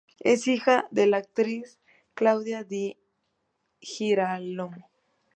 Es hija de la destacada actriz, Claudia Di Girólamo.